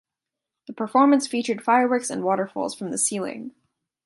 The performance featured fireworks and waterfalls from the ceiling.